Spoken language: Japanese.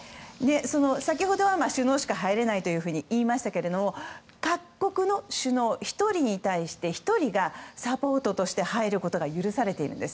先ほどは首脳しか入れないと言いましたが各国の首脳１人に対し１人がサポートとして入ることが許されているんです。